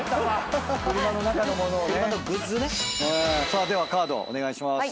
さあではカードお願いします。